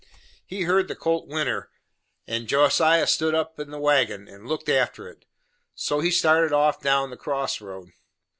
He heerd the colt whinner, and Josiah stood up in the wagon, and looked after it. So he started off down the cross road.